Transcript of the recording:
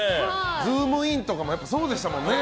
「ズームイン」とかもそうでしたもんね。